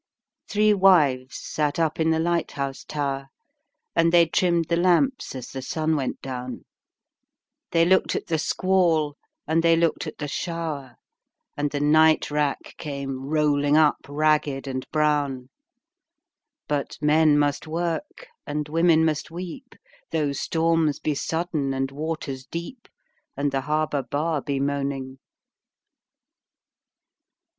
Three wives sat up in the lighthouse tower, And they trimmed the lamps as the sun went down; They looked at the squall, and they looked at the shower, And the night rack came rolling up ragged and brown. But men must work, and women must weep, Though storms be sudden, and waters deep, And the harbour bar be moaning.